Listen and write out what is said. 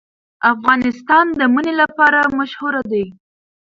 افغانستان د منی لپاره مشهور دی.